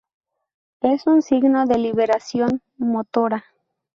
Es un signo de liberación motora.